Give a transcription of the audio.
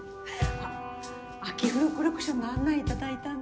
あっ秋冬コレクションの案内いただいたんで。